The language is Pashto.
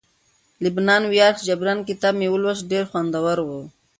د لبنان ویاړ جبران کتاب مې ولوست ډیر خوندور وو